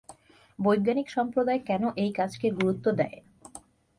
বৈজ্ঞানিক সম্প্রদায় কেন এই কাজকে গুরুত্ব দেয়?